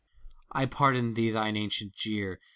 I pardon thee thine ancient jeer.